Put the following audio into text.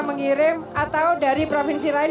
mengirim atau dari provinsi lain